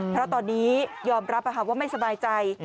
เพราะตอนนี้ยอมรับว่าไม่สบายใจ